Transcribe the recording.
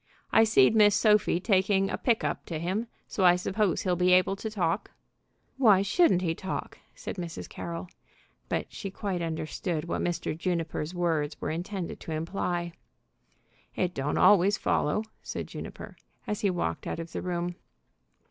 I seed Miss Sophie taking a pick up to him, so I suppose he'll be able to talk." "Why shouldn't he talk?" said Mrs. Carroll. But she quite understood what Mr. Juniper's words were intended to imply. "It don't always follow," said Juniper, as he walked out of the room.